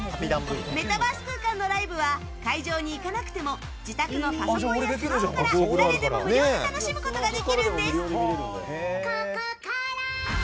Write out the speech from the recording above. メタバース空間のライブは会場に行かなくても自宅のパソコンやスマホから誰でも無料で楽しむことができるんです。